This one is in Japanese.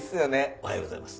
おはようございます。